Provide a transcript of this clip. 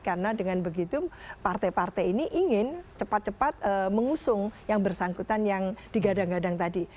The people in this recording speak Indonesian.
karena dengan begitu partai partai ini ingin cepat cepat mengusung yang bersangkutan yang digadang gadang tadi